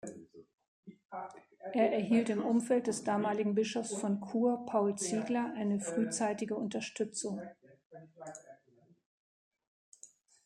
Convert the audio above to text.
Er erhielt im Umfeld des damaligen Bischofs von Chur, Paul Ziegler, frühzeitige Unterstützung.